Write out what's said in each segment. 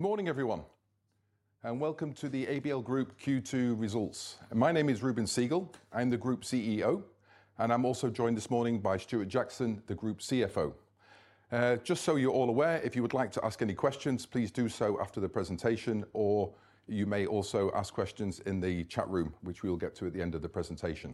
Good morning, everyone, and welcome to the ABL Group Q2 Results. My name is Reuben Segal. I'm the Group CEO, and I'm also joined this morning by Stuart Jackson, the Group CFO. Just so you're all aware, if you would like to ask any questions, please do so after the presentation, or you may also ask questions in the chat room, which we will get to at the end of the presentation.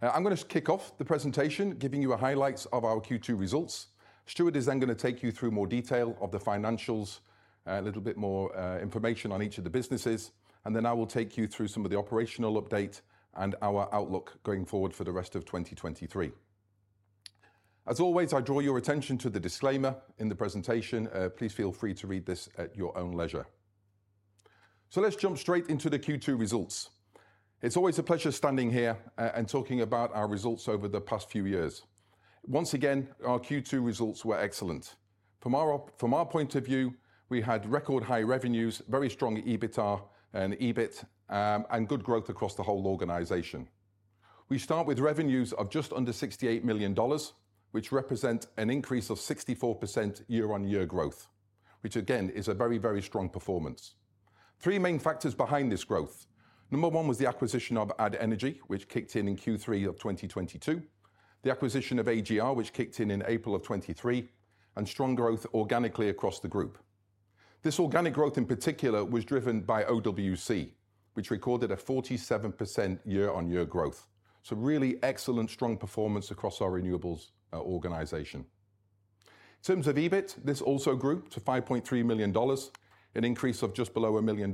Now, I'm gonna kick off the presentation, giving you a highlights of our Q2 results. Stuart is then gonna take you through more detail of the financials, a little bit more information on each of the businesses, and then I will take you through some of the operational update and our outlook going forward for the rest of 2023. As always, I draw your attention to the disclaimer in the presentation. Please feel free to read this at your own leisure. So let's jump straight into the Q2 results. It's always a pleasure standing here, and talking about our results over the past few years. Once again, our Q2 results were excellent. From our point of view, we had record high revenues, very strong EBITDA and EBIT, and good growth across the whole organization. We start with revenues of just under $68 million, which represent an increase of 64% year-on-year growth, which again, is a very, very strong performance. Three main factors behind this growth: number one was the acquisition of Add Energy, which kicked in, in Q3 of 2022; the acquisition of AGR, which kicked in, in April of 2023; and strong growth organically across the group. This organic growth, in particular, was driven by OWC, which recorded a 47% year-on-year growth. So really excellent, strong performance across our renewables organization. In terms of EBIT, this also grew to $5.3 million, an increase of just below $1 million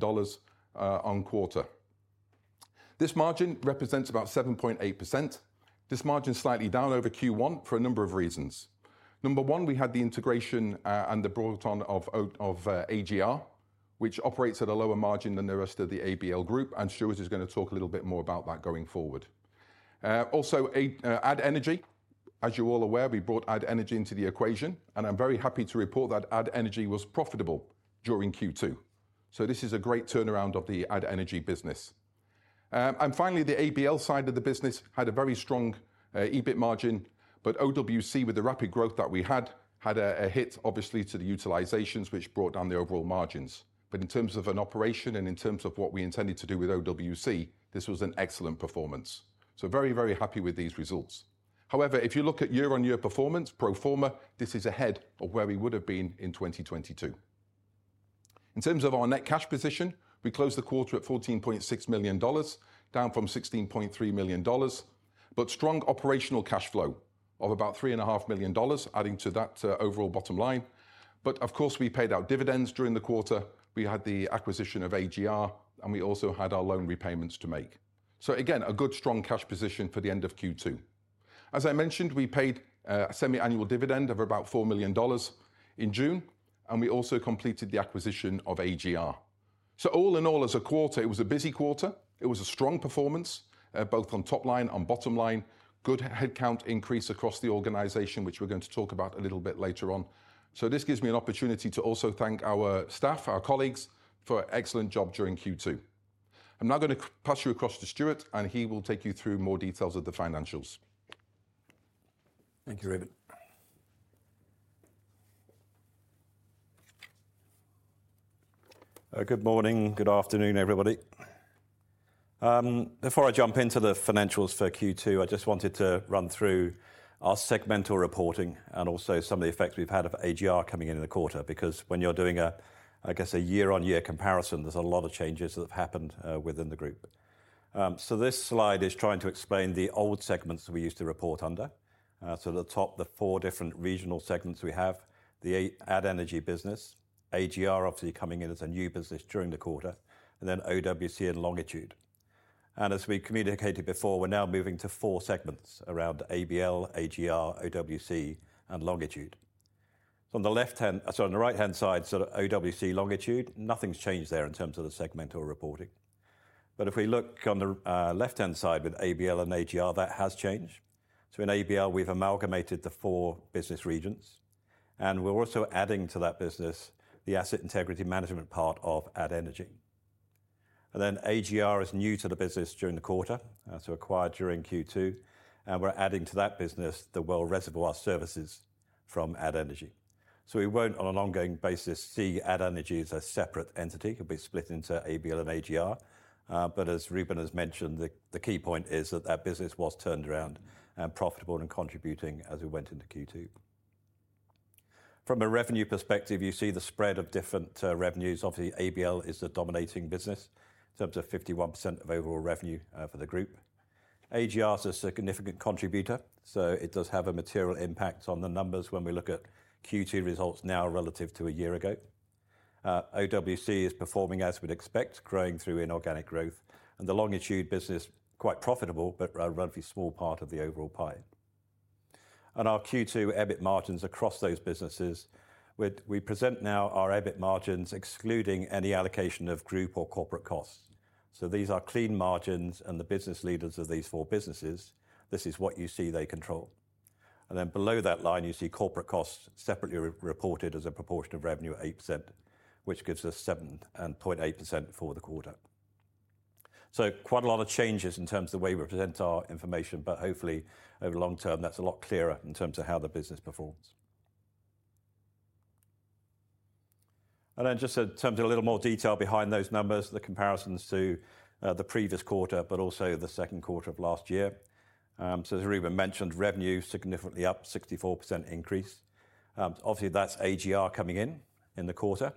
on quarter. This margin represents about 7.8%. This margin is slightly down over Q1 for a number of reasons. Number one, we had the integration and the brought on of AGR, which operates at a lower margin than the rest of the ABL Group, and Stuart is gonna talk a little bit more about that going forward. Also, Add Energy, as you're all aware, we brought Add Energy into the equation, and I'm very happy to report that Add Energy was profitable during Q2. So this is a great turnaround of the Add Energy business. And finally, the ABL side of the business had a very strong, EBIT margin, but OWC, with the rapid growth that we had, had a, a hit, obviously, to the utilizations, which brought down the overall margins. But in terms of an operation and in terms of what we intended to do with OWC, this was an excellent performance. So very, very happy with these results. However, if you look at year-on-year performance, pro forma, this is ahead of where we would have been in 2022. In terms of our net cash position, we closed the quarter at $14.6 million, down from $16.3 million, but strong operational cash flow of about $3.5 million, adding to that, overall bottom line. But of course, we paid out dividends during the quarter. We had the acquisition of AGR, and we also had our loan repayments to make. So again, a good, strong cash position for the end of Q2. As I mentioned, we paid a semi-annual dividend of about $4 million in June, and we also completed the acquisition of AGR. So all in all, as a quarter, it was a busy quarter. It was a strong performance both on top line and bottom line. Good headcount increase across the organization, which we're going to talk about a little bit later on. So this gives me an opportunity to also thank our staff, our colleagues, for an excellent job during Q2. I'm now gonna pass you across to Stuart, and he will take you through more details of the financials. Thank you, Reuben. Good morning, good afternoon, everybody. Before I jump into the financials for Q2, I just wanted to run through our segmental reporting and also some of the effects we've had of AGR coming in in the quarter, because when you're doing, I guess, a year-on-year comparison, there's a lot of changes that have happened within the group. So this slide is trying to explain the old segments we used to report under. So at the top, the four different regional segments we have, the Add Energy business, AGR, obviously, coming in as a new business during the quarter, and then OWC and Longitude. And as we communicated before, we're now moving to four segments around ABL, AGR, OWC, and Longitude. So on the left-hand, sorry, on the right-hand side, so OWC, Longitude, nothing's changed there in terms of the segmental reporting. But if we look on the left-hand side with ABL and AGR, that has changed. So in ABL, we've amalgamated the four business regions, and we're also adding to that business the asset integrity management part of Add Energy. And then AGR is new to the business during the quarter, so acquired during Q2, and we're adding to that business the Well Reservoir Services from Add Energy. So we won't, on an ongoing basis, see Add Energy as a separate entity. It will be split into ABL and AGR. But as Reuben has mentioned, the key point is that that business was turned around and profitable and contributing as we went into Q2. From a revenue perspective, you see the spread of different revenues. Obviously, ABL is the dominating business, so up to 51% of overall revenue for the group. AGR is a significant contributor, so it does have a material impact on the numbers when we look at Q2 results now relative to a year ago. OWC is performing as we'd expect, growing through inorganic growth, and the Longitude business, quite profitable, but a relatively small part of the overall pie. And our Q2 EBIT margins across those businesses, we, we present now our EBIT margins, excluding any allocation of group or corporate costs. So these are clean margins and the business leaders of these four businesses, this is what you see they control. And then below that line, you see corporate costs separately re-reported as a proportion of revenue, 8%, which gives us 7.8% for the quarter... So quite a lot of changes in terms of the way we present our information, but hopefully, over the long term, that's a lot clearer in terms of how the business performs. And then just in terms of a little more detail behind those numbers, the comparisons to the previous quarter, but also the second quarter of last year. So as Reuben mentioned, revenue is significantly up 64% increase. Obviously, that's AGR coming in in the quarter.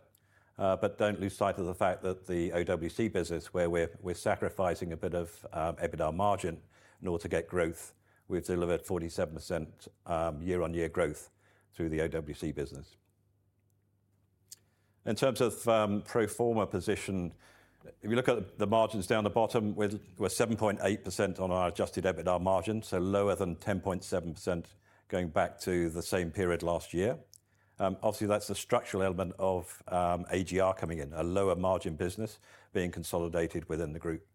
But don't lose sight of the fact that the OWC business, where we're sacrificing a bit of EBITDA margin in order to get growth. We've delivered 47% year-on-year growth through the OWC business. In terms of pro forma position, if you look at the margins down the bottom, we're 7.8% on our adjusted EBITDA margin, so lower than 10.7%, going back to the same period last year. Obviously, that's the structural element of AGR coming in, a lower margin business being consolidated within the group.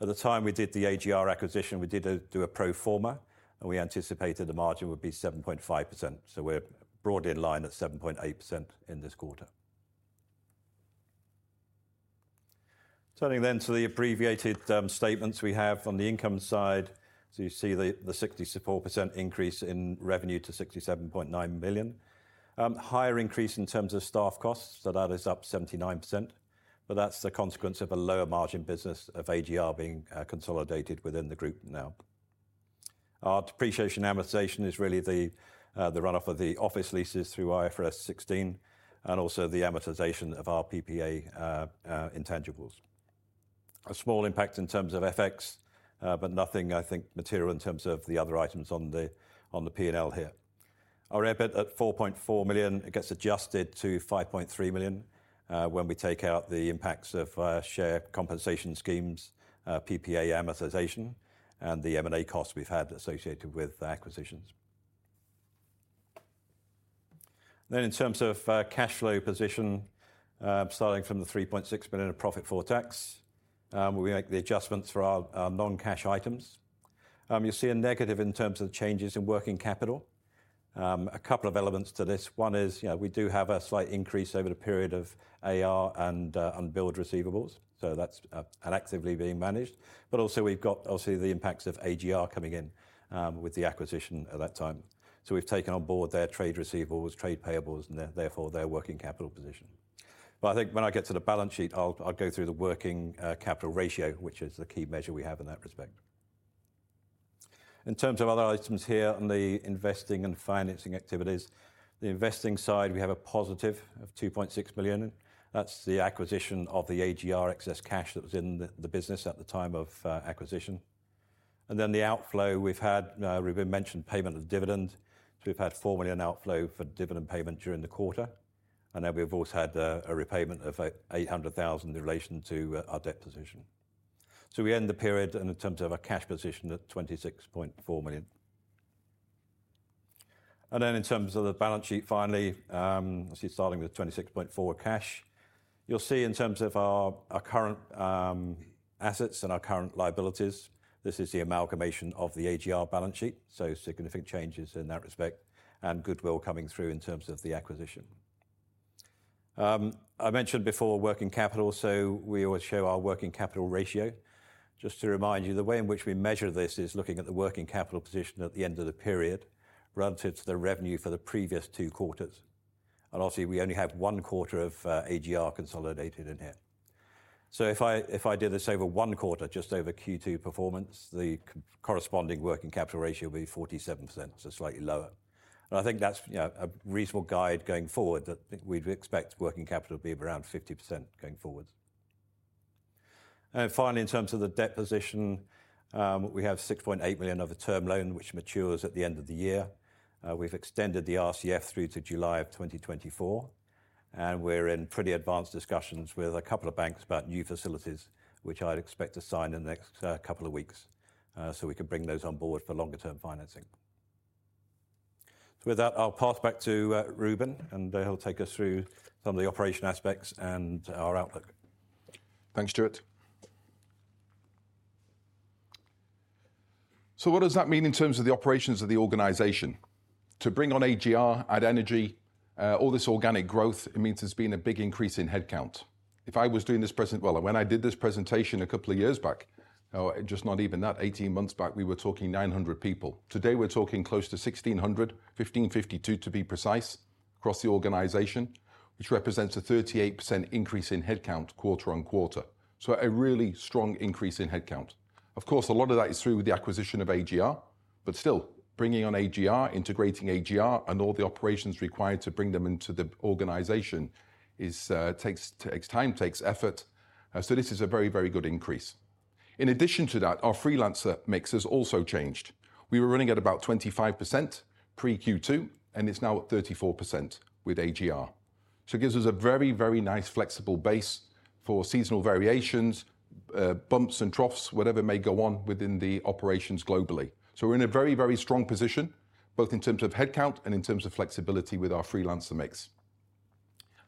At the time we did the AGR acquisition, we did a pro forma, and we anticipated the margin would be 7.5%, so we're broadly in line at 7.8% in this quarter. Turning then to the abbreviated statements we have on the income side. So you see the 64% increase in revenue to $67.9 million. Higher increase in terms of staff costs, so that is up 79%, but that's the consequence of a lower margin business of AGR being consolidated within the group now. Our depreciation amortization is really the run-off of the office leases through IFRS 16 and also the amortization of our PPA intangibles. A small impact in terms of FX, but nothing, I think, material in terms of the other items on the P&L here. Our EBIT at 4.4 million, it gets adjusted to 5.3 million when we take out the impacts of share compensation schemes, PPA amortization, and the M&A costs we've had associated with the acquisitions. Then in terms of cash flow position, starting from the $3.6 billion in profit for tax, we make the adjustments for our, our non-cash items. You see a negative in terms of the changes in working capital. A couple of elements to this. One is, you know, we do have a slight increase over the period of AR and unbilled receivables, so that's and actively being managed. But also we've got obviously the impacts of AGR coming in with the acquisition at that time. So we've taken on board their trade receivables, trade payables, and therefore their working capital position. But I think when I get to the balance sheet, I'll go through the working capital ratio, which is the key measure we have in that respect. In terms of other items here on the investing and financing activities, the investing side, we have a positive of $2.6 billion. That's the acquisition of the AGR excess cash that was in the business at the time of acquisition. Then the outflow, we've had, Reuben mentioned payment of dividend. So we've had 4 million outflow for dividend payment during the quarter, and then we've also had a repayment of 800,000 in relation to our debt position. So we end the period in terms of our cash position at 26.4 million. And then in terms of the balance sheet, finally, let's see, starting with 26.4 million cash. You'll see in terms of our, our current, assets and our current liabilities, this is the amalgamation of the AGR balance sheet, so significant changes in that respect, and goodwill coming through in terms of the acquisition. I mentioned before working capital, so we always show our working capital ratio. Just to remind you, the way in which we measure this is looking at the working capital position at the end of the period, relative to the revenue for the previous two quarters. And obviously, we only have one quarter of, AGR consolidated in here. So if I did this over one quarter, just over Q2 performance, the corresponding working capital ratio would be 47%, so slightly lower. And I think that's, you know, a reasonable guide going forward, that we'd expect working capital to be around 50% going forward. And finally, in terms of the debt position, we have 6.8 million of a term loan, which matures at the end of the year. We've extended the RCF through to July 2024, and we're in pretty advanced discussions with a couple of banks about new facilities, which I'd expect to sign in the next couple of weeks, so we can bring those on board for longer term financing. So with that, I'll pass back to Reuben, and he'll take us through some of the operation aspects and our outlook. Thanks, Stuart. So what does that mean in terms of the operations of the organization? To bring on AGR, Add Energy, all this organic growth, it means there's been a big increase in headcount. If I was doing this presentation, well, when I did this presentation a couple of years back, just not even that, eighteen months back, we were talking 900 people. Today, we're talking close to 1,600, 1,552, to be precise, across the organization, which represents a 38% increase in headcount quarter-over-quarter. So a really strong increase in headcount. Of course, a lot of that is through the acquisition of AGR, but still, bringing on AGR, integrating AGR and all the operations required to bring them into the organization takes time, takes effort, so this is a very, very good increase. In addition to that, our freelancer mix has also changed. We were running at about 25% pre-Q2, and it's now at 34% with AGR. So it gives us a very, very nice flexible base for seasonal variations, bumps and troughs, whatever may go on within the operations globally. So we're in a very, very strong position, both in terms of headcount and in terms of flexibility with our freelancer mix.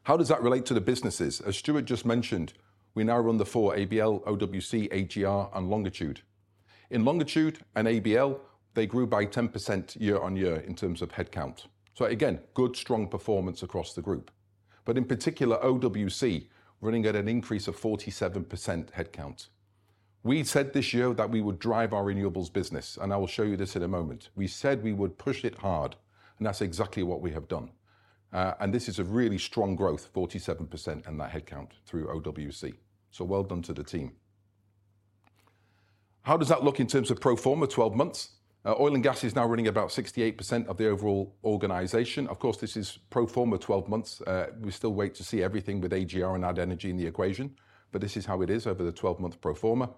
How does that relate to the businesses? As Stuart just mentioned, we now run the four, ABL, OWC, AGR, and Longitude. In Longitude and ABL, they grew by 10% year-on-year in terms of headcount. So again, good, strong performance across the group... but in particular, OWC, running at an increase of 47% headcount. We said this year that we would drive our renewables business, and I will show you this in a moment. We said we would push it hard, and that's exactly what we have done. And this is a really strong growth, 47% in that headcount through OWC. So well done to the team. How does that look in terms of pro forma 12 months? Oil and gas is now running about 68% of the overall organization. Of course, this is pro forma 12 months. We still wait to see everything with AGR and Add Energy in the equation, but this is how it is over the 12-month pro forma.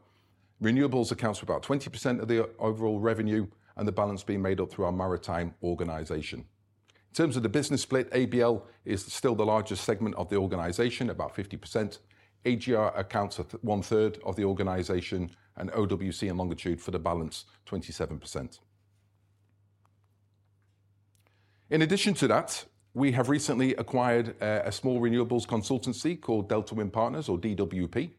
Renewables accounts for about 20% of the overall revenue, and the balance being made up through our maritime organization. In terms of the business split, ABL is still the largest segment of the organization, about 50%. AGR accounts at one-third of the organization, and OWC and Longitude for the balance, 27%. In addition to that, we have recently acquired a small renewables consultancy called Delta Wind Partners, or DWP.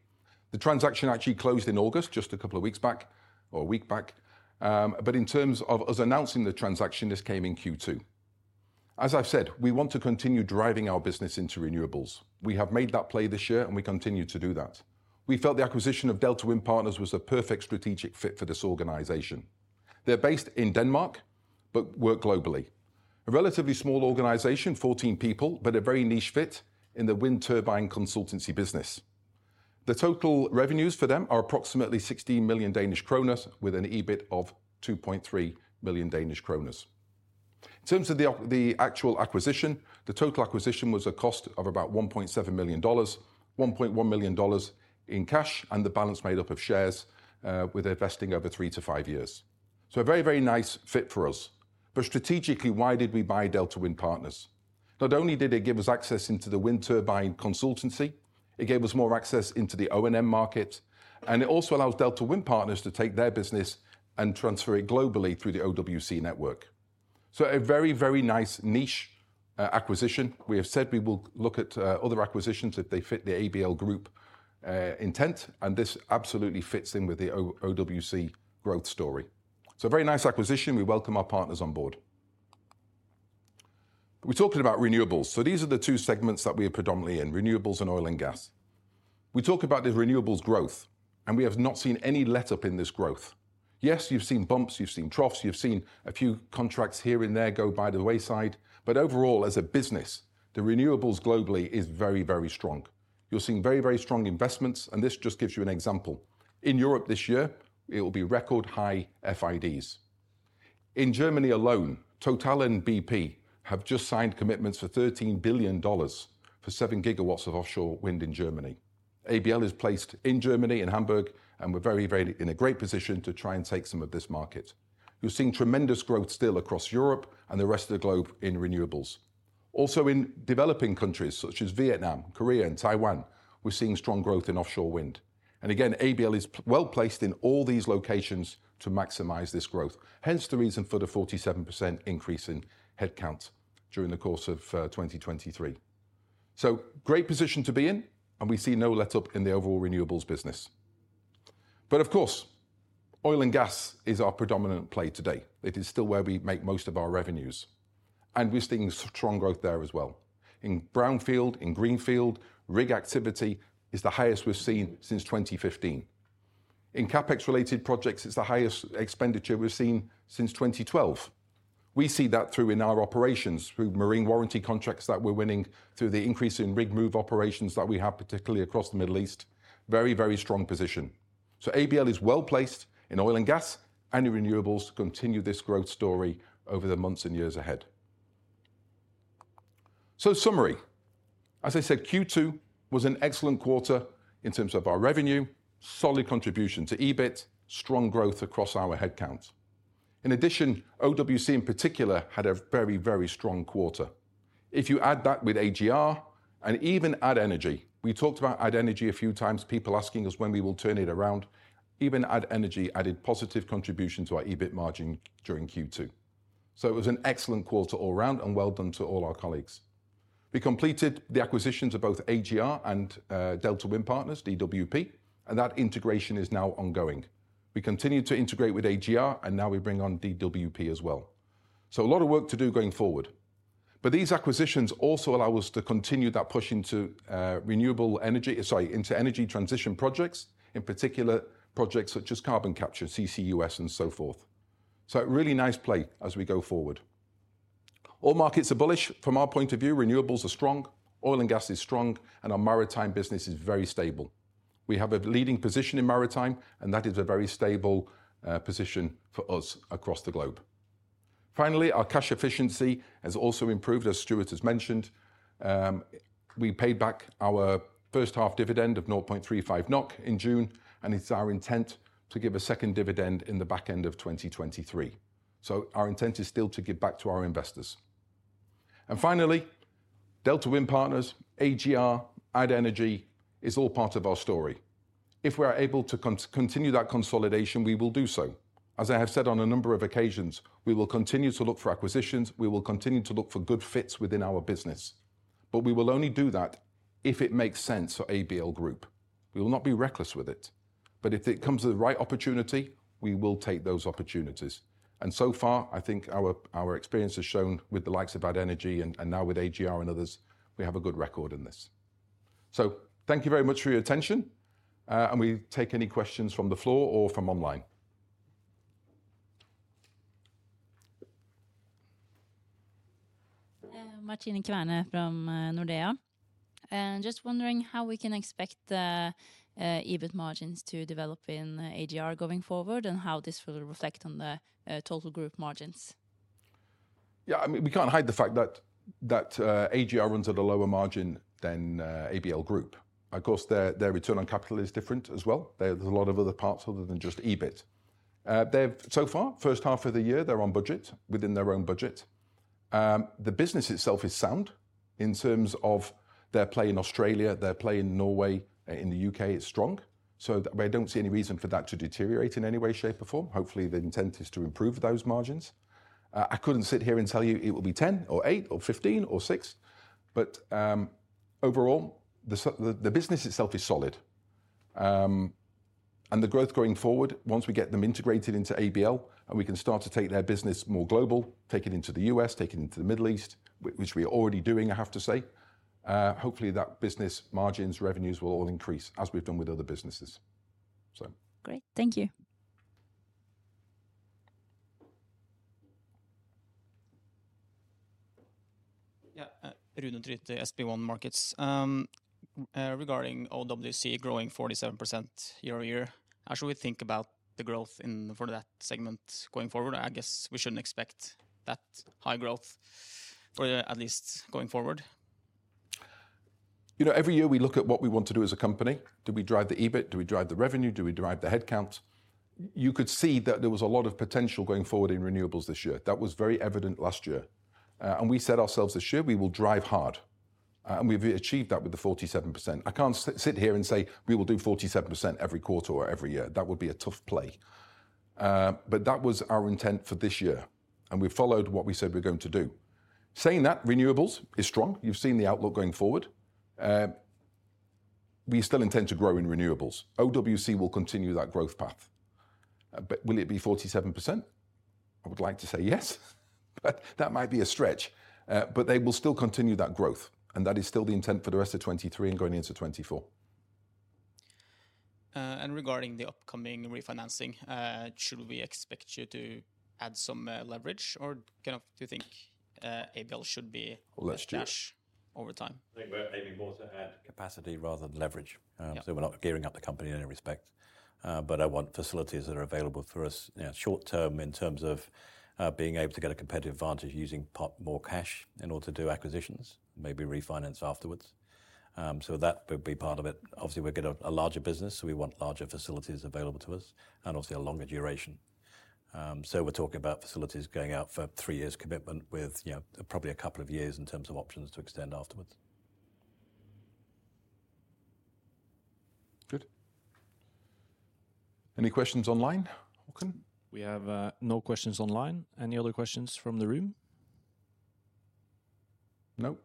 The transaction actually closed in August, just a couple of weeks back or a week back. But in terms of us announcing the transaction, this came in Q2. As I've said, we want to continue driving our business into renewables. We have made that play this year, and we continue to do that. We felt the acquisition of Delta Wind Partners was the perfect strategic fit for this organization. They're based in Denmark, but work globally. A relatively small organization, 14 people, but a very niche fit in the wind turbine consultancy business. The total revenues for them are approximately 16 million Danish kroner, with an EBIT of 2.3 million Danish kroner. In terms of the actual acquisition, the total acquisition was a cost of about $1.7 million, $1.1 million in cash, and the balance made up of shares, with investing over three-five years. So a very, very nice fit for us. But strategically, why did we buy Delta Wind Partners? Not only did it give us access into the wind turbine consultancy, it gave us more access into the O&M market, and it also allows Delta Wind Partners to take their business and transfer it globally through the OWC network. So a very, very nice niche acquisition. We have said we will look at other acquisitions if they fit the ABL Group intent, and this absolutely fits in with the OWC growth story. So a very nice acquisition. We welcome our partners on board. We talked about renewables, so these are the two segments that we are predominantly in, Renewables and Oil and Gas. We talk about the Renewables growth, and we have not seen any letup in this growth. Yes, you've seen bumps, you've seen troughs, you've seen a few contracts here and there go by the wayside, but overall, as a business, the Renewables globally is very, very strong. You're seeing very, very strong investments, and this just gives you an example. In Europe this year, it will be record high FIDs. In Germany alone, Total and BP have just signed commitments for $13 billion for 7 GW of offshore wind in Germany. ABL is placed in Germany, in Hamburg, and we're very, very in a great position to try and take some of this market. You're seeing tremendous growth still across Europe and the rest of the globe in Renewables. Also, in developing countries such as Vietnam, Korea and Taiwan, we're seeing strong growth in offshore wind. And again, ABL is well-placed in all these locations to maximize this growth, hence the reason for the 47% increase in headcount during the course of 2023. So great position to be in, and we see no letup in the overall renewables business. But of course, Oil and Gas is our predominant play today. It is still where we make most of our revenues, and we're seeing strong growth there as well. In brownfield, in greenfield, rig activity is the highest we've seen since 2015. In CapEx-related projects, it's the highest expenditure we've seen since 2012. We see that through in our operations, through marine warranty contracts that we're winning, through the increase in rig move operations that we have, particularly across the Middle East. Very, very strong position. So ABL is well-placed in Oil and Gas and in Renewables to continue this growth story over the months and years ahead. So summary. As I said, Q2 was an excellent quarter in terms of our revenue, solid contribution to EBIT, strong growth across our headcount. In addition, OWC in particular had a very, very strong quarter. If you add that with AGR and even Add Energy, we talked about Add Energy a few times, people asking us when we will turn it around. Even Add Energy added positive contribution to our EBIT margin during Q2. So it was an excellent quarter all round, and well done to all our colleagues. We completed the acquisitions of both AGR and Delta Wind Partners, DWP, and that integration is now ongoing. We continue to integrate with AGR, and now we bring on DWP as well. So a lot of work to do going forward. But these acquisitions also allow us to continue that push into renewable energy, sorry, into energy transition projects, in particular, projects such as carbon capture, CCUS, and so forth. So a really nice play as we go forward. All markets are bullish. From our point of view, renewables are strong, oil and gas is strong, and our maritime business is very stable. We have a leading position in maritime, and that is a very stable position for us across the globe. Finally, our cash efficiency has also improved, as Stuart has mentioned. We paid back our first half dividend of 0.35 NOK in June, and it's our intent to give a second dividend in the back end of 2023. So our intent is still to give back to our investors. And finally, Delta Wind Partners, AGR, Add Energy, is all part of our story. If we are able to continue that consolidation, we will do so. As I have said on a number of occasions, we will continue to look for acquisitions, we will continue to look for good fits within our business, but we will only do that if it makes sense for ABL Group. We will not be reckless with it... but if it comes to the right opportunity, we will take those opportunities. And so far, I think our, our experience has shown with the likes of Add Energy and, and now with AGR and others, we have a good record in this. So thank you very much for your attention, and we take any questions from the floor or from online. Martine Kverne from Nordea. Just wondering how we can expect the EBIT margins to develop in AGR going forward, and how this will reflect on the total group margins? Yeah, I mean, we can't hide the fact that AGR runs at a lower margin than ABL Group. Of course, their return on capital is different as well. There's a lot of other parts other than just EBIT. They've so far, first half of the year, they're on budget, within their own budget. The business itself is sound in terms of their play in Australia, their play in Norway, in the UK, it's strong, so I don't see any reason for that to deteriorate in any way, shape, or form. Hopefully, the intent is to improve those margins. I couldn't sit here and tell you it will be 10 or eight or 15 or six, but overall, the business itself is solid. And the growth going forward, once we get them integrated into ABL and we can start to take their business more global, take it into the U.S., take it into the Middle East, which we are already doing, I have to say. Hopefully, that business margins, revenues will all increase as we've done with other businesses, so- Great. Thank you. Yeah, Rune Tryti, SB1 Markets. Regarding OWC growing 47% year-over-year, how should we think about the growth in, for that segment going forward? I guess we shouldn't expect that high growth for at least going forward. You know, every year we look at what we want to do as a company. Do we drive the EBIT? Do we drive the revenue? Do we drive the headcount? You could see that there was a lot of potential going forward in renewables this year. That was very evident last year. And we said ourselves this year, we will drive hard, and we've achieved that with the 47%. I can't sit here and say, we will do 47% every quarter or every year. That would be a tough play. But that was our intent for this year, and we followed what we said we were going to do. Saying that, Renewables is strong. You've seen the outlook going forward. We still intend to grow in Renewables. OWC will continue that growth path. But will it be 47%? I would like to say yes, but that might be a stretch. But they will still continue that growth, and that is still the intent for the rest of 2023 and going into 2024. And regarding the upcoming refinancing, should we expect you to add some leverage or kind of do you think ABL should be- Well, let's check. -over time? I think we're aiming more to add capacity rather than leverage. Yeah. So we're not gearing up the company in any respect, but I want facilities that are available for us, you know, short term in terms of being able to get a competitive advantage using more cash in order to do acquisitions, maybe refinance afterwards. So that would be part of it. Obviously, we've got a larger business, so we want larger facilities available to us and also a longer duration. So we're talking about facilities going out for three years commitment with, you know, probably a couple of years in terms of options to extend afterwards. Good. Any questions online, Håkon? We have no questions online. Any other questions from the room? No?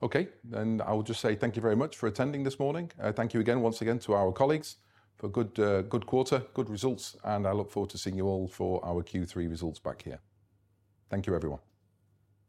Okay, then I will just say thank you very much for attending this morning. Thank you again, once again to our colleagues for a good, good quarter, good results, and I look forward to seeing you all for our Q3 results back here. Thank you, everyone.